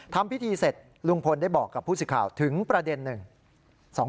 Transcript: ทำพิธีเสร็จลุงพลได้บอกกับผู้สิทธิ์ข่าวถึงประเด็นหนึ่ง